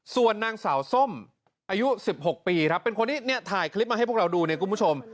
ส่วนนางสาวส้มอายุ๑๖ปีครับเป็นคนที่เนี่ยถ่ายคลิปมาให้พวกเราดูเนี่ยคุณผู้ชม